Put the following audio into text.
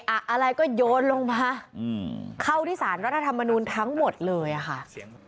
อะไรก็โยนลงมาเข้าที่สารรัฐธรรมนูลทั้งหมดเลยอะค่ะ